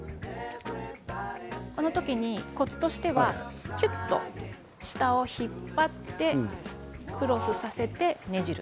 この時にコツとしてはきゅっと下を引っ張ってクロスさせてねじる。